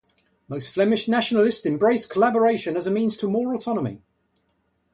Most Flemish nationalists embraced collaboration as a means to more autonomy.